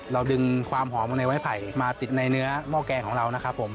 ดึงความหอมในไม้ไผ่มาติดในเนื้อหม้อแกงของเรานะครับผม